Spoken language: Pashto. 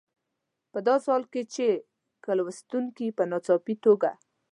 په داسې حال کې چې که لوستونکي په ناڅاپي توګه.